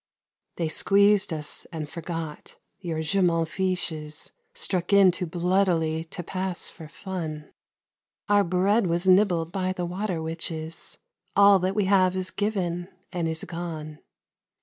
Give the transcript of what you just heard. They squeezed us, and forgot: your Je m'en fiche's Struck in too bloodily to pass for fun. Our bread was nibbled by the water witches, All that we have is given, and is gone.